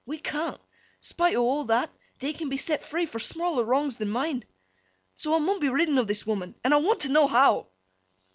We can't. Spite o' all that, they can be set free for smaller wrongs than mine. So, I mun be ridden o' this woman, and I want t' know how?